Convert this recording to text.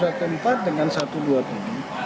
sebagai tersangka pengedar narkotika